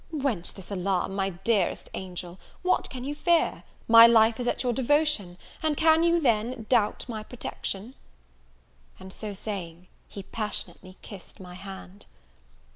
"Whence this alarm, my dearest angel? What can you fear? my life is at your devotion, and can you, then, doubt my protection?" And so saying, he passionately kissed my hand.